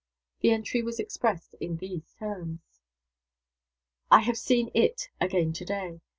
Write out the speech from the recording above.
The entry was expressed in these terms: "I have seen IT again to day.